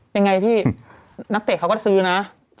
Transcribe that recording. ยังไงพี่นักเตะเขาก็ซื้อนะ